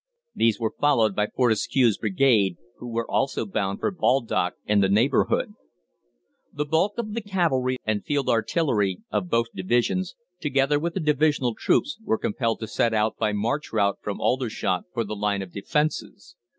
These were followed by Fortescue's Brigade, who were also bound for Baldock and the neighbourhood. The bulk of the cavalry and field artillery of both divisions, together with the divisional troops, were compelled to set out by march route from Aldershot for the line of defences.